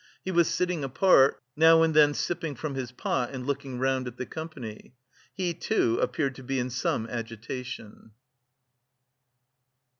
He was sitting apart, now and then sipping from his pot and looking round at the company. He, too, appeared to be in some agitation.